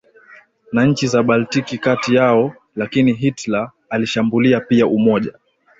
na nchi za Baltiki kati yao lakini Hitler alishambulia pia Umoja